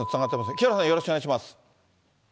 清原さん、よろしくお願いします。